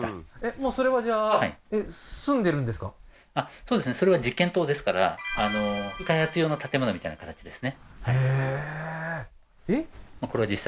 そうですねそれは実験棟ですから開発用の建物みたいな形ですね